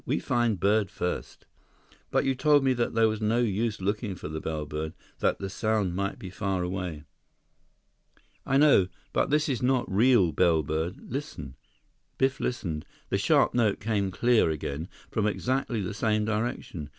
"We find bird first." "But you told me before that there was no use looking for the bellbird, that the sound might be far away." "I know. But this is not real bellbird. Listen." Biff listened. The sharp note came clear again, from exactly the same direction.